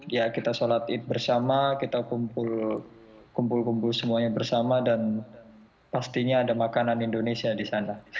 ya kita sholat id bersama kita kumpul kumpul semuanya bersama dan pastinya ada makanan indonesia di sana